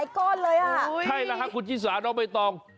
ใช่นะคะคุณชิสาเอาไปท้อง